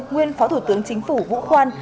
nguyên phó thủ tướng chính phủ vũ khoan